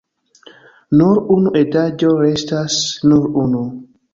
Nur unu etaĝo restas! Nur unu.